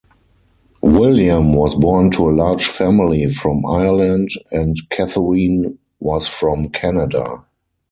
William was born to a large family from Ireland and Katherine was from Canada.